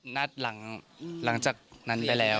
หลังจากนั้นไปแล้ว